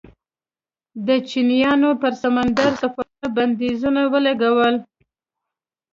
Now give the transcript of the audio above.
د چینایانو پر سمندري سفرونو بندیزونه ولګول.